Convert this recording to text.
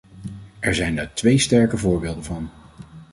En er zijn daar twee sterke voorbeelden van.